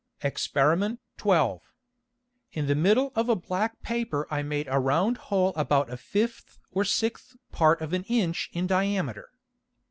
Exper. 12. In the middle of a black Paper I made a round Hole about a fifth or sixth Part of an Inch in diameter.